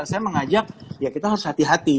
saya mengajak ya kita harus hati hati